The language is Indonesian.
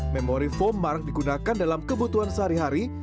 memori foam mark digunakan dalam kebutuhan sehari hari